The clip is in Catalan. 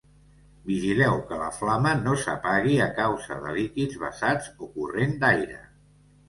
Vigileu que la flama no s'apagui a causa de líquids vessats o corrent d'aire.